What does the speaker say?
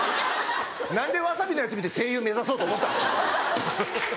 何でワサビのやつ見て声優目指そうと思ったんですか。